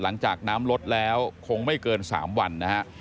หลังจากน้ำลดแล้วคงไม่เกิน๓วันนะฮะ